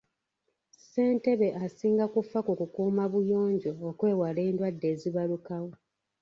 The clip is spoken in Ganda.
Ssentebe asinga kufa ku kukuuma buyonjo okwewala endwadde ezibalukawo.